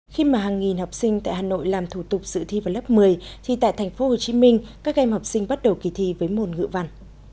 khi mà hàng nghìn học sinh tại hà nội làm thủ tục sự thi vào lớp một mươi thì tại thành phố hồ chí minh các em học sinh bắt đầu kỳ thi với môn ngữ văn